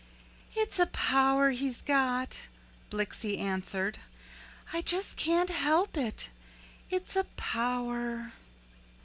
"It's a power he's got," Blixie answered, "I just can't help it it's a power."